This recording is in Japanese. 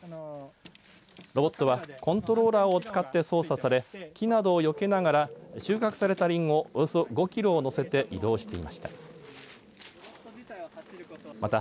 ロボットはコントローラーを使って操作され木などをよけながら収穫されたりんご、およそ５キロを載せて移動していました。